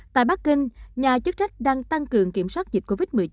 tại bắc kinh nhà chức trách đang tăng cường kiểm soát dịch covid một mươi chín